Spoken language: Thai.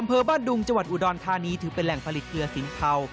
อำเภอบ้านดุงจังหวัดอุดรธานีถือเป็นแหล่งผลิตเกลือสินเทา